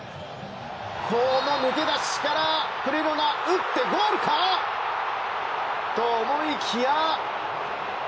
この抜け出しからクリロナゴールか？と思いきや。